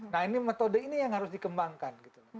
nah ini metode ini yang harus dikembangkan